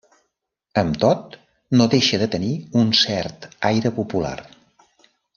Amb tot, no deixa de tenir un cert aire popular.